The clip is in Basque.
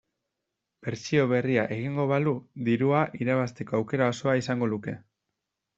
Bertsio berria egingo balu dirua irabazteko aukera osoa izango luke.